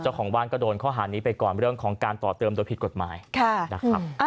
เจ้าของบ้านก็โดนข้อหานี้ไปก่อนเรื่องของการต่อเติมโดยผิดกฎหมายนะครับ